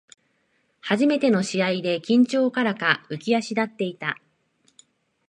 初めての試合で緊張からか浮き足立っていた